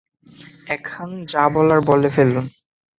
এখন যা বলার বলে ফেলুন!